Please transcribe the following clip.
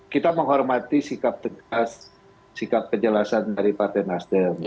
kita menghormati sikap tegas sikap kejelasan dari partai nasdem